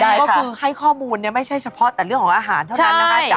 ก็คือให้ข้อมูลเนี่ยไม่ใช่เฉพาะแต่เรื่องของอาหารเท่านั้นนะคะ